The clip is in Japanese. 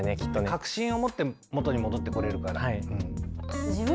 確信を持って元に戻ってこれるから。